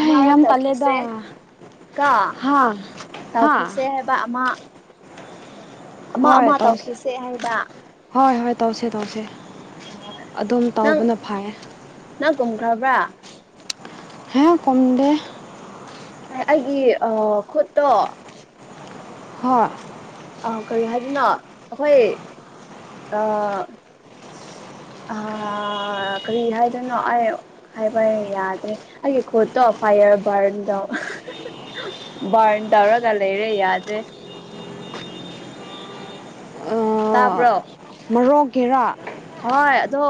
ꯑꯦ mark ꯌꯥꯝ ꯇꯜꯂꯦꯗ ꯇꯧꯈꯤꯁꯦ ꯀꯣ ꯍꯥ ꯍꯥ ꯇꯧꯈꯤꯁꯦ ꯍꯥꯏ ꯄ ꯑꯃ ꯑꯃ ꯍꯣꯏ ꯑꯃ ꯇꯧꯁ ꯇꯧꯈꯤꯁꯦ ꯍꯥꯏꯕ ꯍꯣꯏ ꯍꯣꯏ ꯇꯧꯁꯦ ꯇꯧꯁꯦ ꯑꯗꯨꯝ ꯅꯪ ꯇꯥꯎꯕꯅ ꯐꯩꯌꯦ ꯅꯪ ꯀꯨꯝꯈ꯭ꯔꯕ꯭ꯔꯥ ꯍꯦ ꯀꯨꯝꯗꯦ ꯑꯦ ꯑꯩꯒꯤ ꯑ ꯈꯨꯠꯇꯣ ꯍꯣꯏ ꯑ ꯀꯔꯤ ꯍꯥꯏꯕꯅꯣ ꯑꯩꯈꯣꯏ ꯑ ꯑ ꯀꯔꯤ ꯍꯥꯏꯗꯣꯏꯅꯣ ꯑꯩ ꯍꯥꯏꯕ ꯌꯥꯗ꯭ꯔꯦ ꯑꯩꯒꯤ ꯈꯨꯠꯇꯣ ꯐꯥꯏꯌꯔ ꯕꯔꯟ ꯕꯔꯟ ꯇꯧꯔꯒ ꯂꯩꯔꯦ ꯌꯥꯗ꯭ꯔꯦ ꯇꯥꯕꯔꯣ ꯃꯔꯣꯡ ꯀꯦꯔꯥ ꯍꯣꯏ ꯑꯗꯣ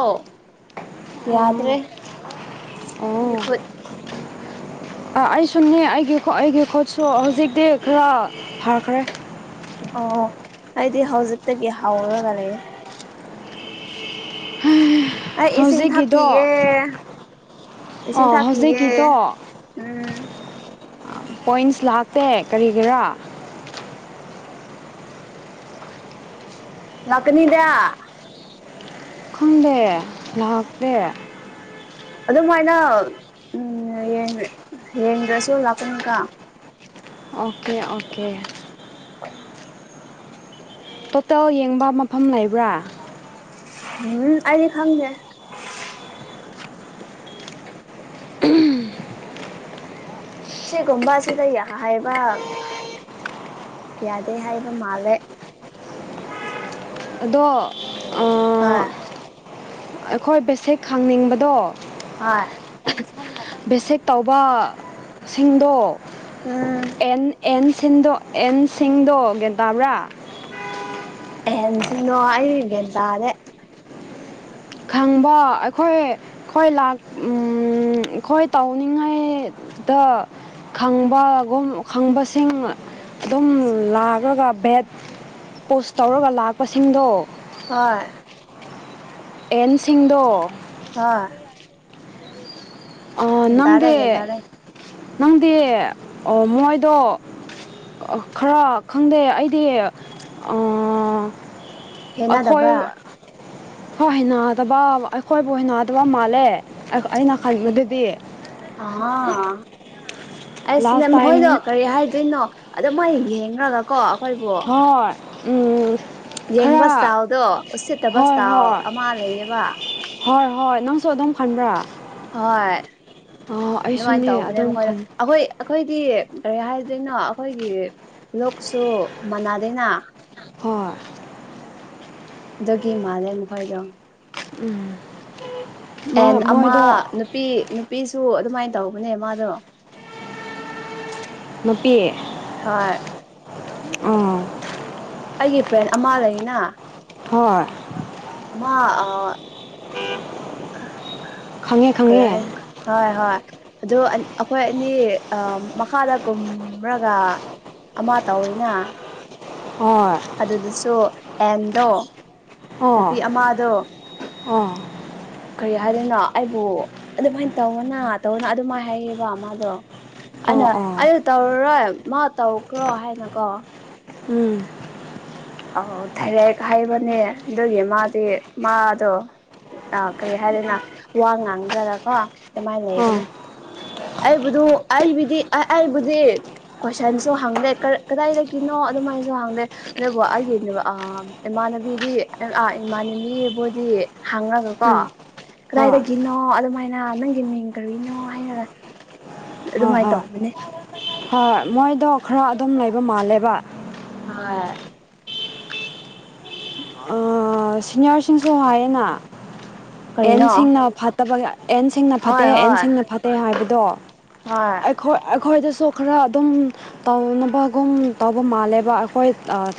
ꯌꯥꯗ꯭ꯔꯦ ꯑꯣ ꯑꯩꯒꯤ ꯈꯨꯠ ꯑꯩ ꯁꯨꯅꯤ ꯑꯩꯒꯤ ꯑꯩꯒꯤ ꯈꯨꯣꯠꯁꯨ ꯍꯧꯖꯤꯛꯇꯤ ꯈꯔ ꯐꯈ꯭ꯔꯦ ꯑꯣ ꯑꯩꯗꯤ ꯍꯧꯖꯤꯛꯇꯒꯤ ꯍꯥꯎꯔꯒ ꯂꯩ ꯑꯩ ꯏꯁꯤꯡ ꯍꯧꯖꯤꯛꯀꯤꯗꯣ ꯊꯛꯈꯤꯒꯦ ꯏꯁꯤꯡ ꯑꯣ ꯊꯛꯈꯤꯒꯦ ꯍꯧꯖꯤꯛꯀꯤꯗꯣ ꯄꯣꯏꯟꯁ ꯂꯥꯛꯇꯦ ꯀꯔꯤꯒꯤꯔꯥ ꯂꯥꯛꯀꯅꯤꯗ ꯈꯪꯗꯦ ꯂꯥꯛꯇꯦ ꯑꯗꯨꯃꯥꯏꯅ ꯎꯝ ꯌꯦꯡꯗ꯭ꯔꯁꯨ ꯂꯥꯛꯀꯅꯤꯗ ꯑꯣꯀꯦ ꯑꯣꯀꯦ ꯇꯣꯇꯦꯜ ꯌꯦꯡꯕ ꯃꯐꯝ ꯂꯩꯕ꯭ꯔꯥ ꯎꯝ ꯑꯩꯗꯤ ꯈꯪꯗꯦ ꯁꯤꯒꯨꯝꯕ ꯑꯁꯤ ꯌꯥ ꯍꯩ ꯍꯥꯏꯕ ꯌꯥꯗꯦ ꯍꯥꯏꯕ ꯃꯥꯜꯂꯦ ꯑꯗꯣ ꯑ ꯍꯥ ꯑꯩꯈꯣꯏ ꯕꯦꯁꯤꯛ ꯈꯡꯅꯤꯡꯕꯗꯣ ꯍꯣꯏ ꯕꯦꯁꯤꯛ ꯇꯧꯕ ꯁꯤꯡꯗꯣ ꯎꯝ ꯑꯦꯟ ꯑꯦꯟꯁꯤꯡꯗ ꯑꯦꯟ ꯁꯤꯡꯗꯣ ꯒꯦꯇꯥꯕ꯭ꯔꯥ ꯑꯍꯦꯟꯁꯤꯡꯗꯣ ꯑꯩ ꯒ꯭ꯌꯥꯟ ꯇꯥꯔꯦ ꯈꯪꯕ ꯑꯩꯈꯣꯏ ꯑꯩꯈꯣꯏ ꯂ ꯑꯩꯈꯣꯏ ꯇꯧꯅꯤꯡꯉꯥꯏꯗ ꯈꯪꯕꯒꯨꯝ ꯈꯪꯕꯁꯤꯡ ꯑꯗꯨꯝ ꯂꯥꯛꯑꯒ ꯕꯦꯠ ꯄꯣꯁ ꯇꯧꯔꯒ ꯂꯥꯛꯄꯁꯤꯡꯗꯣ ꯍꯣꯏ ꯑꯦꯟꯁꯤꯡꯗꯣ ꯍꯥ ꯒ꯭ꯌꯥꯟ ꯇꯥꯔꯦ ꯅꯪꯗꯤ ꯒ꯭ꯌꯥꯟ ꯇꯥꯔꯦ ꯅꯪꯗꯤ ꯑꯣ ꯃꯣꯏꯗꯣ ꯈꯔ ꯈꯪꯗꯦ ꯑꯩꯗꯤ ꯑꯩꯈꯣꯏ ꯍꯦꯟꯅꯗꯕ꯭ꯔꯥ ꯍꯣꯏ ꯍꯟꯅꯗꯕ ꯑꯩꯈꯣꯏꯕꯨ ꯍꯩꯅꯗꯕ ꯃꯥꯜꯂꯦ ꯑꯩꯅ ꯍꯥꯏꯕꯗꯗꯤ ꯑ ꯑꯩ ꯁꯤꯅꯦ ꯂꯥꯁ ꯇꯥꯏꯝ ꯃꯈꯣꯏꯗꯣ ꯀꯔꯤ ꯍꯥꯏꯗꯣꯏꯅꯣ ꯑꯗꯣ ꯃꯣꯏ ꯌꯦꯡꯈ꯭ꯔꯒ ꯀꯣ ꯑꯩꯈꯣꯏꯕꯨ ꯍꯣꯏ ꯎꯝ ꯌꯦꯡꯕ ꯈꯔ ꯏꯁꯇꯥꯏꯟꯗꯣ ꯎꯁꯤꯠꯇꯕ ꯍꯣꯏ ꯏꯁꯇꯥꯏꯟ ꯍꯣꯏ ꯑꯃ ꯂꯩꯌꯦꯕ ꯍꯣꯏ ꯍꯣꯏ ꯅꯪꯁꯨ ꯑꯗꯨꯝ ꯈꯟꯕ꯭ꯔꯥ ꯍꯣꯏ ꯑꯗꯨꯃꯥꯏꯅ ꯑꯩꯁꯨꯅꯦ ꯇꯧꯕꯅꯦ ꯑꯗꯨꯝ ꯃꯈꯣꯏꯗ ꯈꯟ ꯑꯩꯈꯣꯏ ꯑꯩꯈꯣꯏꯗꯤ ꯀꯔꯤ ꯍꯥꯏꯗꯣꯏꯅꯣ ꯑꯩꯈꯣꯏꯒꯤ ꯂꯣꯛꯁꯨ ꯃꯥꯟꯅꯗꯅ ꯍꯣꯏ ꯑꯗꯨꯒꯤ ꯃꯥꯜꯂꯦ ꯃꯈꯣꯏꯗꯣ ꯎꯝ ꯃꯥ ꯑꯦꯟ ꯑꯃ ꯃꯣꯏꯗꯣ ꯅꯨꯄꯤ ꯅꯨꯄꯤꯁꯨ ꯑꯗꯨꯃꯥꯏꯅ ꯇꯧꯕꯅꯦ ꯃꯥꯗꯣ ꯅꯨꯄꯤ ꯍꯣꯏ ꯎꯝ ꯑꯩꯒꯤ ꯐ꯭ꯔꯦꯟ ꯑꯃꯥ ꯂꯩꯅ ꯍꯣꯏ ꯑꯃ ꯑ ꯈꯪꯉꯦ ꯈꯔ ꯈꯪꯉꯦ ꯍꯥꯏꯁꯦ ꯍꯣꯏ ꯍꯣꯏ ꯑꯗꯨ ꯑꯩꯈꯣꯏ ꯑꯅꯤ ꯑ ꯃꯈꯥꯗ ꯀꯨꯝꯔꯒ ꯑꯃ ꯇꯧꯏꯅ ꯍꯣꯏ ꯑꯗꯨꯗꯁꯨ ꯑꯦꯟꯗꯣ ꯑꯣ ꯅꯨꯄꯤ ꯑꯃꯗꯣ ꯑꯣ ꯀꯔꯤ ꯍꯥꯏꯗꯣꯏꯅꯣ ꯑꯩꯕꯨ ꯑꯗꯨꯃꯥꯏꯅ ꯇꯧꯅ ꯇꯧꯅ ꯑꯗꯨꯃꯥꯏꯅ ꯍꯥꯏꯌꯦꯕ ꯃꯥꯗꯣ ꯑꯣ ꯑꯣ ꯑꯅ ꯑꯩ ꯇꯧꯔꯔꯣꯏ ꯃꯥ ꯇꯧꯈ꯭ꯔꯣ ꯍꯥꯏꯅꯀꯣ ꯎꯝ ꯑ ꯊꯥꯏꯔꯦꯛ ꯍꯥꯏꯕꯅꯦ ꯑꯗꯨꯒꯤ ꯃꯥꯗꯤ ꯃꯥꯗꯣ ꯑ ꯀꯔꯤ ꯍꯥꯏꯗꯅ ꯋꯥ ꯉꯥꯡꯗ꯭ꯔꯒꯀꯣ ꯑꯗꯨꯃꯥꯏꯅ ꯑꯣ ꯂꯩꯗꯅ ꯑꯩꯕꯨꯗꯨ ꯑꯩꯕꯨꯗꯤ ꯑꯩꯕꯨꯗꯤ ꯀꯣꯏꯁꯟꯁꯨ ꯍꯪꯗꯦ ꯀꯗꯥꯏꯗꯒꯤꯅꯣ ꯑꯗꯨꯃꯥꯏꯅꯁꯨ ꯍꯪꯗꯦ ꯑꯗꯨ ꯑꯩꯒꯤ ꯏꯃꯥꯟꯅꯕꯤꯗꯤ ꯏꯃꯥꯟꯅꯕꯤꯕꯨꯗꯤ ꯍꯥꯡꯉꯒꯀꯣ ꯎꯝ ꯍꯣꯏ ꯀꯗꯥꯏꯗꯒꯤꯅꯣ ꯑꯗꯨꯃꯥꯏꯅ ꯅꯪꯒꯤ ꯃꯤꯡ ꯀꯨꯏꯅꯣ ꯍꯥꯏꯅꯔ ꯍꯣꯏ ꯑꯗꯨꯃꯥꯏꯅ ꯍꯣꯏ ꯇꯧꯕꯧꯕꯅꯦ ꯍꯣꯏ ꯃꯣꯏꯗꯣ ꯈꯔ ꯑꯗꯨꯝ ꯂꯩꯕ ꯃꯥꯜꯂꯦꯕ ꯍꯥꯏ ꯁꯤꯅꯤꯌꯔꯁꯤꯡꯁꯨ ꯍꯥꯏꯌꯦꯅ ꯀꯔꯤꯅꯣ ꯑꯦꯟꯁꯤꯡꯅ ꯐꯠꯇꯕꯒꯤ ꯑꯦꯟ ꯁꯤꯡꯅ ꯐꯠꯇꯦ ꯍꯣꯏ ꯑꯦꯟ ꯍꯣꯏ ꯁꯤꯡꯅ ꯐꯠꯇꯦ ꯍꯥꯏꯕꯗꯣ ꯍꯣꯏ ꯑꯩꯈꯣꯏ ꯑꯩꯈꯣꯏꯗꯥꯁꯨ ꯈ꯭ꯔ ꯑꯗꯨꯝ ꯇꯧꯅꯕꯒꯨꯝ ꯇꯧꯕ ꯃꯥꯜꯂꯦꯕ ꯑꯩꯈꯣꯏ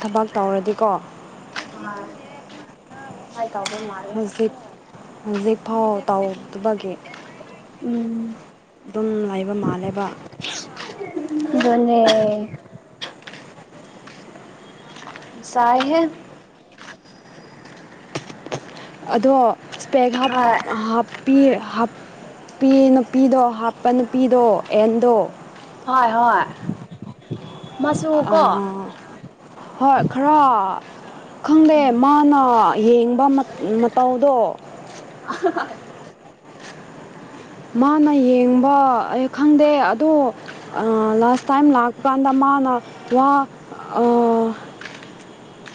ꯊꯕꯛ ꯇꯧꯔꯥꯗꯤꯀꯣ ꯍꯣꯏ ꯑꯗꯨꯃꯥꯏ ꯇꯧꯕ ꯃꯥꯜꯂꯦ ꯍꯧꯖꯤꯛ ꯍꯧꯖꯤꯛꯐꯥꯎ ꯇꯧꯗꯕꯒꯤ ꯎꯝ ꯑꯗꯨꯝ ꯂꯩꯕ ꯃꯥꯜꯂꯦꯕ ꯑꯗꯨꯅꯦ ꯆꯥꯏꯍꯦ ꯑꯗꯣ ꯏꯁꯄꯦꯛꯒ ꯍꯣꯏ ꯍꯥꯞꯄꯤ ꯅꯨꯄꯤ ꯅꯨꯄꯤꯗꯣ ꯍꯥꯞꯄ ꯅꯨꯄꯤꯗꯣ ꯑꯦꯟꯗꯣ ꯍ ꯍ ꯑꯥ ꯍꯣꯏ ꯈꯔ ꯈꯪꯗꯦ ꯃꯥꯅ ꯌꯦꯡꯕ ꯃꯇꯧꯗꯣ ꯑ ꯃꯥꯅ ꯌꯦꯡꯕ ꯑꯩ ꯈꯪꯗꯦ ꯑꯗꯣ ꯂꯥꯁ ꯇꯥꯏꯝ ꯂꯥꯛꯄꯥꯟꯗ ꯃꯥꯅ ꯋꯥ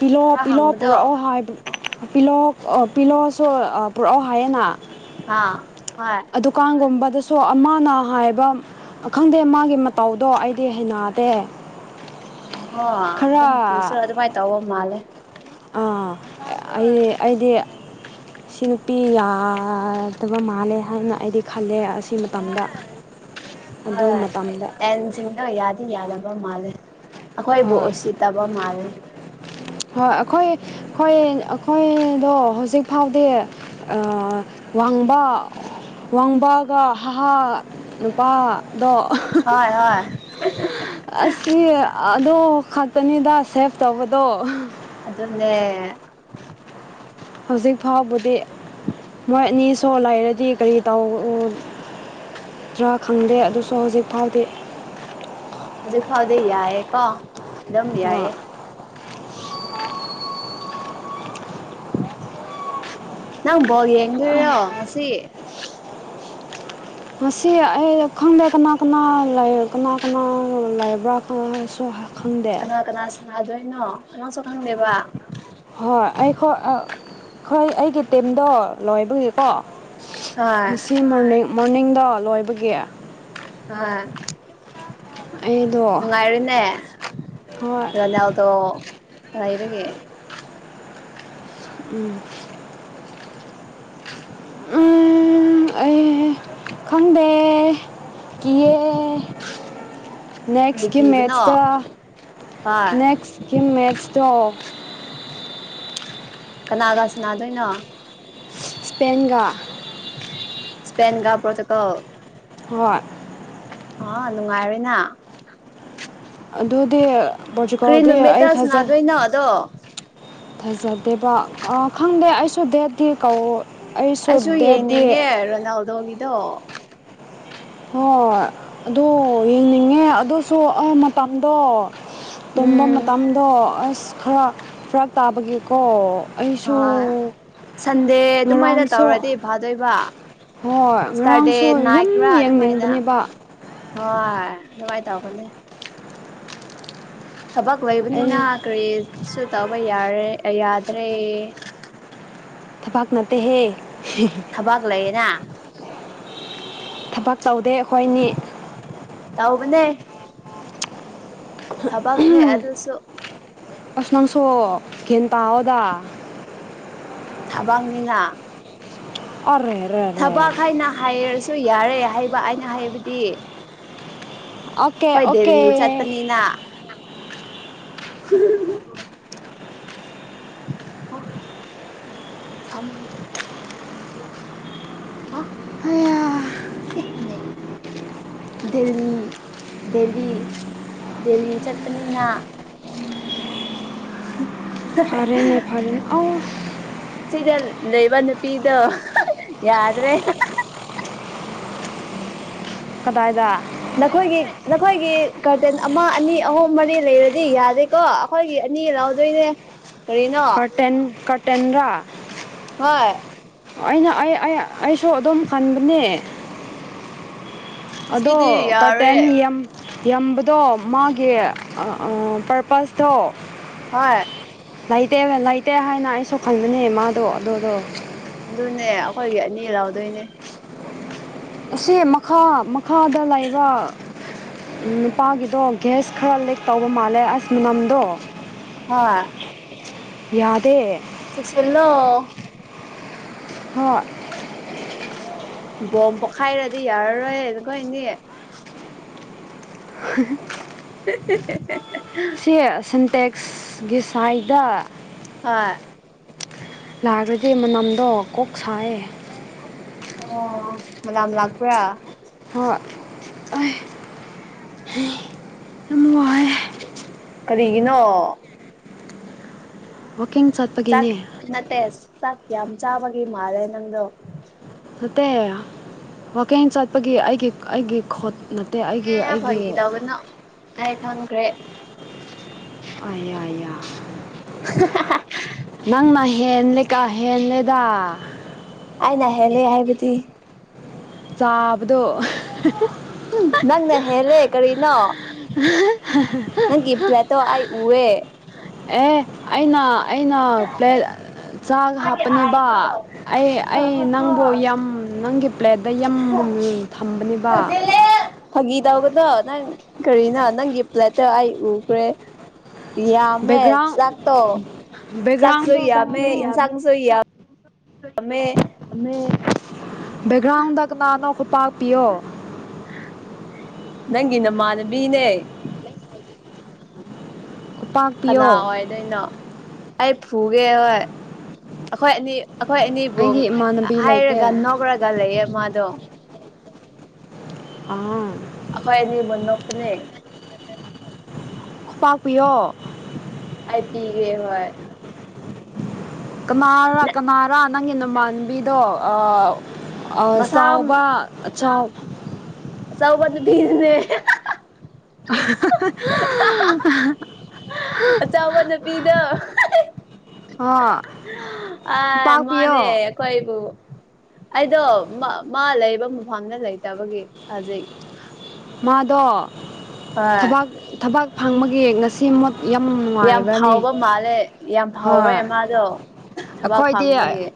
ꯄꯤꯜꯛꯑꯣ ꯈꯔ ꯄꯤꯂꯛꯑꯣ ꯍꯪꯕꯗꯣ ꯄꯨꯔꯛꯑꯣ ꯍꯥꯏꯕ ꯄꯤꯂꯣꯛ ꯄꯤꯂꯣꯁꯨ ꯄꯨꯔꯛꯑꯣ ꯍꯥꯏꯌꯦꯅ ꯍꯥ ꯍꯣꯏ ꯗꯨꯀꯥꯟꯒꯨꯝꯕꯗꯁꯨ ꯑꯃꯥꯅ ꯍꯥꯏꯕ ꯑ ꯈꯪꯗꯦ ꯃꯥꯒꯤ ꯃꯇꯧꯗꯣ ꯑꯩꯗꯤ ꯍꯩꯅꯥꯗꯦ ꯑꯣ ꯑꯗꯨ ꯅꯨꯄꯤꯁꯨ ꯑꯗꯨꯃꯥꯏꯅ ꯇꯧꯕ ꯃꯥꯜꯂꯦ ꯑꯥ ꯑꯩ ꯑꯩꯗꯤ ꯁꯤ ꯅꯨꯄꯤ ꯌꯥꯗꯕ ꯃꯥꯜꯂꯦ ꯍꯥꯏꯅ ꯑꯩꯗꯤ ꯈꯜꯂꯦ ꯑꯁꯤ ꯃꯇꯝꯗ ꯑꯗꯨ ꯍꯣꯏ ꯃꯇꯝꯗ ꯑꯦꯟꯁꯤꯡꯗꯣ ꯌꯥꯗꯤ ꯌꯥꯗꯕ ꯃꯥꯜꯂꯦ ꯑꯩꯈꯣꯏꯕꯨ ꯍꯣꯏ ꯎꯁꯤꯠ ꯇꯕ ꯃꯥꯜꯂꯦ ꯍꯣꯏ ꯑꯩꯈꯣꯏ ꯑꯩꯈꯣꯏ ꯑꯩꯈꯣꯏꯗꯣ ꯍꯧꯖꯤꯛ ꯐꯥꯎꯗꯤ ꯑ ꯋꯥꯡꯕ ꯋꯥꯡꯕꯒ ꯍꯥ ꯍꯥ ꯅꯨꯄꯥꯗꯣ ꯍꯣꯏ ꯍꯣꯏ ꯑꯁꯤ ꯑꯗꯣ ꯈꯛꯇꯥꯅꯤꯗ ꯁꯦꯞ ꯇꯧꯕꯥꯗꯣ ꯑꯗꯨꯅꯦ ꯍꯧꯖꯤꯛ ꯐꯥꯎꯕꯗꯤ ꯃꯣꯏ ꯑꯅꯤ ꯁꯣꯛ ꯂꯩꯔꯗꯤ ꯀꯥꯔꯤ ꯇꯧ ꯇꯔ ꯈꯪꯗꯦ ꯑꯗꯨꯁꯨ ꯍꯧꯖꯤꯛ ꯐꯥꯎꯗꯤ ꯍꯧꯖꯤꯛ ꯐꯥꯎꯗꯤ ꯌꯥꯏꯌꯦꯀꯣ ꯑꯗꯨꯝ ꯌꯥꯏꯌꯦ [unintelligible] ꯅꯪ ꯕꯣꯜ ꯌꯦꯡꯗꯣꯏꯔꯣ ꯉꯥꯁꯤ ꯉꯥꯁꯤ ꯑꯩ ꯈꯪꯗꯦ ꯀꯅꯥ ꯀꯅꯥ ꯂꯩ ꯀꯅꯥ ꯀꯅꯥ ꯂꯩꯕ꯭ꯔꯥ ꯁꯨ ꯀꯅꯥ ꯀꯅꯥ ꯁꯥꯟꯅꯗꯣꯏꯅꯣ ꯀꯅꯥꯁꯨ ꯈꯪꯗꯦꯕ ꯍꯣꯏ ꯑꯩꯈꯣꯏ ꯍꯣꯏ ꯑꯩꯒꯤ ꯇꯤꯝꯗꯣ ꯂꯣꯏꯕꯥꯒꯤꯀꯣ ꯍꯣꯏ ꯉꯥꯁꯤ ꯃꯣꯔꯅꯤꯡ ꯃꯣꯔꯅꯤꯡꯗꯣ ꯂꯣꯏꯕꯒꯤ ꯍꯣꯏ ꯑꯩꯗꯣ ꯅꯨꯡꯉꯥꯏꯔꯤꯅꯦ ꯍꯣꯏ ꯔꯣꯅꯥꯜꯗꯣ ꯂꯩꯕꯥꯒꯤ ꯎꯝ ꯎꯝ ꯑꯩ ꯈꯪꯗꯦ ꯀꯤꯌꯦ ꯀꯔꯤ ꯅꯦꯛꯁꯀꯤ ꯀꯤꯕꯅꯣ ꯃꯦꯠꯁꯇ ꯍꯣꯏ ꯅꯦꯛꯁꯀꯤ ꯃꯦꯠꯁꯇꯣ ꯀꯅꯥꯒꯁꯤ ꯅꯥꯗꯣꯏꯅꯣ ꯏꯁꯄꯦꯡꯒꯥ ꯁꯄꯦꯟꯒ ꯄꯣꯇꯨꯒꯜ ꯍꯣꯏ ꯑ ꯅꯨꯡꯉꯥꯏꯔꯣꯏꯅ ꯑꯗꯨꯗꯤ ꯂꯣꯖꯤꯀꯩꯜꯗꯤ ꯑꯩ ꯊꯟꯗꯅꯤ ꯅꯣ ꯗꯣ ꯊꯩꯖꯗꯦꯕ ꯈꯪꯗꯦ ꯑꯩꯁꯨ ꯗꯦꯠꯇꯤ ꯀꯧ ꯑꯩꯁꯨ ꯌꯦꯡꯅꯤꯡꯉꯦ ꯔꯣꯅꯥꯜꯗꯣꯒꯤꯗꯣ ꯍꯣꯏ ꯑꯗꯨ ꯌꯦꯡꯅꯤꯡꯉꯦ ꯑꯗꯨꯁꯨ ꯑ ꯃꯇꯝꯗꯣ ꯇꯣꯝꯕ ꯎꯝ ꯃꯇꯝꯗꯣ ꯑꯁ ꯈꯔ ꯐꯔꯥꯛ ꯇꯥꯕꯒꯤꯦꯀꯣ ꯍꯣꯏ ꯁꯟꯗꯦ ꯑꯗꯨꯃꯥꯏꯅ ꯉꯔꯥꯡꯁꯨ ꯇꯧꯔꯥꯗꯤ ꯐꯥꯗꯣꯏꯕ ꯍꯣꯏ ꯁꯠꯇꯔꯗꯦ ꯉꯔꯥꯡꯁꯨ ꯌꯥꯝ ꯅꯥꯏꯠꯔꯥ ꯑꯗꯨꯃꯥꯏꯅ ꯌꯦꯡꯅꯤꯡꯕꯅꯦꯕ ꯍꯣꯏ ꯑꯗꯨꯃꯥꯏ ꯇꯧꯕꯥꯅꯦ ꯊꯕꯛ ꯑꯩ ꯂꯩꯕꯅꯤꯅ ꯀ꯭ꯔꯤꯁꯨ ꯇꯧꯕ ꯌꯥꯔꯦ ꯑ ꯌꯥꯗ꯭ꯔꯦ ꯊꯕꯛ ꯅꯠꯇꯦꯍꯦ ꯊꯕꯛ ꯂꯩꯌꯦꯅ ꯊꯕꯛ ꯇꯧꯗꯦ ꯑꯩꯈꯣꯏꯅꯤ ꯇꯧꯕꯥꯅꯦ ꯊꯕꯛꯅꯦ ꯑꯗꯨꯁꯨ ꯑꯁ ꯅꯪꯁꯨ ꯒ꯭ꯌꯥꯟ ꯇꯥꯎꯑꯣꯗ ꯊꯕꯛꯅꯤꯅ ꯑꯔꯦ ꯔꯦ ꯔꯦ ꯊꯕꯛ ꯍꯥꯏꯅ ꯍꯥꯏꯔꯁꯨ ꯌꯥꯔꯦ ꯍꯥꯏꯕ ꯑꯩꯅ ꯍꯥꯏꯕꯗꯤ ꯑꯣꯀꯦ ꯑꯣꯀꯦ ꯏꯅꯥ [unintelligible] ꯑꯣ ꯁꯝꯃꯦ ꯑ ꯍꯩꯌꯥ [inaudible] ꯗꯦꯜꯂꯤ ꯗꯦꯜꯂꯤ ꯗꯦꯜꯂꯤ ꯆꯠꯄꯅꯤꯅ ꯎ [inaudible] ꯐꯔꯦꯅꯦ ꯐꯔꯦ ꯑꯥꯎ ꯁꯤꯒꯜ ꯂꯩꯩꯕ ꯅꯨꯄꯤꯤꯗꯨꯣ ꯌꯥꯗ꯭ꯔꯦ ꯀꯗꯥꯏꯗ ꯅꯈꯣꯏꯒꯤ ꯅꯈꯣꯏꯒꯤ ꯀꯒꯥꯔꯇꯦꯟ ꯑꯃ ꯑꯅꯤ ꯑꯍꯨꯝ ꯃꯔꯤ ꯂꯩꯔꯗꯤ ꯌꯥꯗꯦꯀꯣ ꯑꯩꯈꯣꯏꯒꯤ ꯑꯅꯤꯒ ꯂꯧꯥꯎꯗꯣꯏꯅꯦ ꯀꯇ ꯀꯇꯦꯟ꯭ꯔꯥ ꯍꯣꯏ ꯑꯩꯅ ꯑꯩ ꯑꯩꯁꯨ ꯑꯗꯨꯝ ꯈꯟꯕꯅꯦ ꯑꯗꯣ ꯑꯁꯤꯗꯤ ꯀꯔꯇꯦꯟ ꯌꯥꯔꯣꯏ ꯌꯥꯝ ꯌꯥꯝꯝꯕꯗꯣ ꯃꯥꯒꯤ ꯄꯔꯄꯁꯇꯣ ꯍꯣꯏ ꯂꯩꯇꯦ ꯂꯩꯇꯦ ꯍꯥꯏꯅ ꯑꯩꯁꯨ ꯈꯟꯕꯅꯦ ꯃꯥꯗꯣ ꯑꯗꯨꯗꯣ ꯑꯗꯨꯅꯦ ꯑꯩꯈꯣꯏꯒꯤ ꯑꯅꯤ ꯂꯧꯥꯎꯗꯣꯏꯅꯦ ꯑꯁꯤ ꯃꯈꯥ ꯃꯈꯥꯗ ꯂꯩꯕ ꯅꯨꯄꯥꯒꯤꯗꯣ ꯒ꯭ꯦꯁ ꯈꯔ ꯂꯤꯛ ꯇꯧꯕ ꯃꯥꯜꯂꯦ ꯑꯁꯃꯤꯅꯝꯗꯣ ꯍ ꯌꯥꯗꯦ ꯁꯨꯁꯤꯜꯂꯣ ꯍꯣꯏ ꯕꯣꯝ ꯄꯣꯛꯈꯥꯏꯔꯗꯤ ꯌꯥꯔꯔꯣꯏꯅꯈꯣꯏꯅꯤ ꯎ [unintelligible] ꯁꯤ ꯁꯤꯟꯇꯦꯛꯁꯒꯤ ꯁꯥꯏꯗ ꯑ ꯂꯥꯛꯑꯒꯗꯤ ꯃꯅꯝꯗꯣ ꯀꯣꯛ ꯁꯥꯏꯌꯦ ꯑꯣ ꯃꯗꯥꯝ ꯂꯥꯛꯄ꯭ꯔꯥ ꯍꯣꯏ ꯑꯩ ꯌꯥꯝ ꯋꯥꯏ ꯀꯔꯤꯒꯤꯅꯣ ꯀꯛꯀꯤꯡ ꯆꯥꯛ ꯆꯠꯄꯒꯤꯅꯦ ꯅꯠꯇꯦ ꯆꯥꯛ ꯌꯥꯝ ꯆꯥꯕꯒꯤ ꯃꯥꯜꯂꯦ ꯅꯪꯗꯣ ꯅꯠꯇꯦ ꯋꯥꯋꯀꯤꯡ ꯆꯠꯄꯒꯤ ꯑꯩꯒꯤ ꯑꯩꯒꯤ ꯈꯣꯠ ꯅꯠꯇꯦ ꯑꯠꯇꯦ ꯑꯩꯒꯤ ꯑꯩꯒꯤ ꯍꯥꯏ ꯈꯪꯈ꯭ꯔꯦ ꯑꯌꯥ ꯌꯥꯌꯥ ꯅꯪꯅ ꯍꯦꯜꯂꯦ ꯀꯥ ꯍꯦꯜꯂꯦꯗ ꯑꯩꯅ ꯍꯦꯜꯂꯦ ꯍꯥꯏꯕꯗꯤ ꯆꯥꯕꯗꯣ ꯅꯪ ꯅ ꯍꯦꯂꯦ ꯀꯔꯤ ꯅ ꯅꯪ ꯄ꯭ꯂ ꯇꯣ ꯑ ꯎꯋꯦ ꯑꯦ ꯑꯩꯅ ꯑꯩꯅ ꯄ꯭ꯂ ꯆꯥꯒ ꯍꯥꯞꯄꯅꯦꯕ ꯑꯩ ꯑꯩ ꯅꯪꯕꯨ ꯌ ꯅꯪꯒꯤ ꯄ꯭ꯂꯦꯠꯇ ꯌ ꯊꯝꯕꯅꯤꯕ ꯐꯥꯒꯤ ꯇꯒꯗꯣ ꯅꯪ ꯀꯔꯤꯅꯣ ꯅꯪꯒꯤ ꯄ꯭ꯂꯦꯠꯇ ꯑꯩ ꯎꯈ꯭ꯔꯦ ꯌꯥꯝꯃꯦ ꯇ꯭ꯔꯥꯞꯇꯣ ꯕꯦꯛꯒ꯭ꯔꯥꯎꯗꯣ ꯌꯥꯝꯃꯦ ꯕꯦꯛꯒ꯭ꯔꯥꯎꯟꯗ ꯀꯅꯥꯅꯣ ꯈꯨꯠꯄꯥꯛꯄꯤꯌꯣ ꯅꯪꯒꯤ ꯅꯃꯥꯅꯕꯤꯅꯦ ꯄꯥꯛ ꯀꯅꯥ ꯑꯣꯏꯗꯣꯏꯅꯣ ꯑꯩ ꯐꯨꯒꯦ ꯍꯣꯏ ꯑꯩꯈꯣꯏ ꯑꯅꯤ ꯑꯩꯈꯣꯏ ꯑꯅꯤꯕꯨ ꯑꯩꯒꯤ ꯏꯃꯥꯟꯅꯕꯤ ꯂꯩꯇꯦ ꯍꯥꯏꯔꯒ ꯅꯧꯔꯒ ꯂꯩꯌꯦ ꯃꯥꯗꯣ ꯑꯥ ꯑꯈꯣꯏ ꯑꯅꯤꯕꯨ ꯅꯣꯛꯄꯅꯦ ꯄꯥꯛ ꯄꯤꯌꯣ ꯑꯩ ꯄꯤꯒꯦ ꯍꯣꯏ ꯀꯅꯥꯔ ꯀꯅꯥꯔ ꯅꯪꯒꯤ ꯅꯣꯡꯃꯥꯟꯕꯤꯗꯣ ꯑꯥ ꯑ ꯃꯁꯥ ꯆꯥꯎꯕ ꯑꯆꯥꯎ ꯑꯆꯧꯕ ꯅꯨꯄꯤꯗꯨꯅꯦ ꯑꯆꯥꯎꯕ ꯅꯨꯄꯤꯗꯣ ꯑ ꯑꯥꯏ ꯄꯥꯛꯄꯤꯌꯣ ꯃꯥꯅꯦ ꯈꯣꯏꯕꯨ ꯑꯩꯗꯣ ꯃꯥ ꯂꯩꯕ ꯃꯐꯝꯗ ꯂꯩꯇꯕꯒꯤ ꯍꯧꯖꯤꯛ ꯃꯥꯗꯣꯕ ꯊꯕꯥꯛ ꯍꯣꯏ ꯊꯕꯛ ꯐꯪꯕꯒꯤ ꯉꯁꯤ ꯌꯝ ꯌꯥꯝ ꯐꯥꯎꯕ ꯃꯥꯜꯂꯦ ꯌꯥꯝ ꯐꯥꯎꯔꯦ ꯍꯣꯏ ꯃꯥꯗꯣ ꯊꯕꯥꯛ ꯐꯪꯕꯒꯤ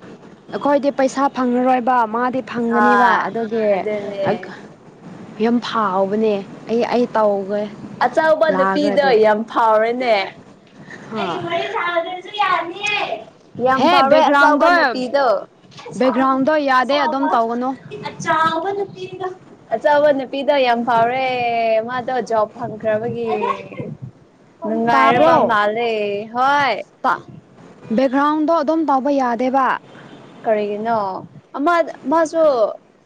ꯑꯈꯣꯏꯗꯤ ꯄꯩꯁꯥ ꯐꯪꯔꯔꯣꯏꯕ ꯃꯥꯗꯤ ꯐꯪꯒꯅꯦꯕ ꯍꯣꯏ ꯑꯗꯨꯒꯤ ꯑꯗꯨꯅꯦ ꯌꯥꯝ ꯐꯥꯎꯕꯅꯦ ꯑꯩ ꯑꯩ ꯇꯧꯒꯦ ꯑꯆꯧꯕ ꯅꯨꯄꯤꯗꯣ ꯂꯥꯛꯔꯗꯤ ꯌꯥꯝ ꯐꯥꯎꯔꯦꯅꯦ [unintelligible] ꯌꯥꯝ ꯍꯦ ꯐꯥꯎꯔꯦ ꯑꯆꯧꯕ ꯕꯦꯛꯒ꯭ꯔꯥꯎꯟꯗꯣ ꯅꯨꯄꯤꯗꯣ [unintelligible] ꯑꯆꯥꯎꯕ ꯕꯦꯛꯒ꯭ꯔꯥꯎꯟꯗꯣ ꯌꯥꯗꯦ ꯑꯗꯨꯝ ꯇꯧꯒꯅꯨ ꯅꯨꯄꯤꯗꯣ ꯑꯆꯥꯎꯕ ꯅꯨꯄꯤꯗꯣ ꯌꯥꯝ ꯐꯥꯎꯔꯦ ꯃꯥꯗꯣ ꯖꯣꯕ ꯐꯪꯈ꯭ꯔꯕꯒꯤ ꯅꯨꯡꯉꯥꯏꯔꯕ ꯃꯥꯜꯂꯦ ꯍꯣꯏ ꯄ ꯕꯦꯛꯒ꯭ꯔꯥꯎꯟꯗꯣ ꯑꯗꯨꯝ ꯇꯧꯕ ꯌꯥꯗꯦꯕ ꯀꯔꯤꯒꯤꯅꯣ ꯑꯃ ꯃꯥꯁꯨ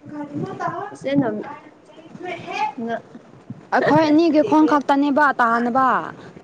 [unintelligible] ꯑꯈꯣꯏ ꯑꯅꯤꯒꯤ ꯈꯣꯡ ꯈꯛꯇꯅꯦꯕ ꯇꯥꯅꯕ